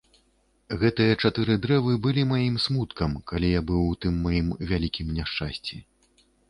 Гэтыя чатыры дрэвы былі маім смуткам, калі я быў у тым маім вялікім няшчасці.